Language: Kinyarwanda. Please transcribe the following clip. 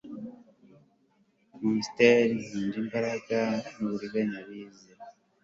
Monster nkunda imbaraga nuburiganya bize